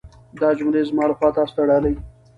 دا جملې زما لخوا تاسو ته ډالۍ.